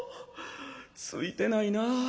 ついてないなあ。